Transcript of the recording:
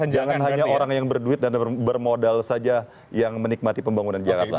jangan hanya orang yang berduit dan bermodal saja yang menikmati pembangunan jakarta